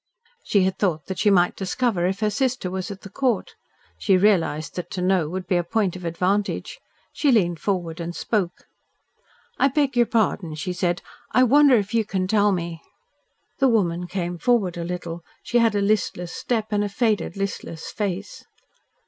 She had thought that she might discover if her sister was at the Court. She realised that to know would be a point of advantage. She leaned forward and spoke. "I beg your pardon," she said, "I wonder if you can tell me " The woman came forward a little. She had a listless step and a faded, listless face.